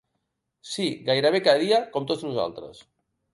Sí, gairebé cada dia, com tots nosaltres.